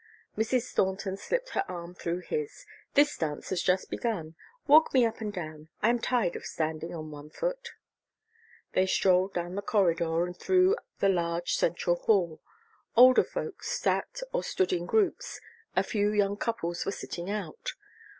Mrs. Thornton slipped her arm through his. "This dance has just begun. Walk me up and down. I am tired of standing on one foot." They strolled down the corridor and through the large central hall. Older folks sat or stood in groups; a few young couples were sitting out.